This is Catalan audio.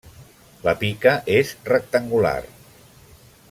La pica és rectangular.